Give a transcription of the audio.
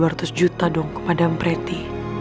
malti dua ratus juta dong ke madan preti